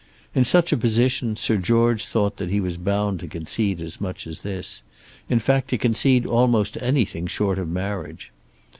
In such a position Sir George thought that he was bound to concede as much as this, in fact to concede almost anything short of marriage.